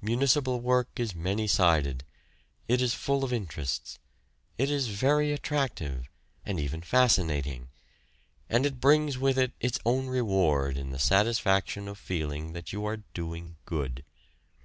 Municipal work is many sided: it is full of interests; it is very attractive, and even fascinating; and it brings with it its own reward in the satisfaction of feeling that you are doing good.